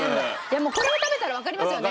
これを食べたらわかりますよね。